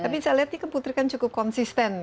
tapi saya lihat ini keputri kan cukup konsisten ya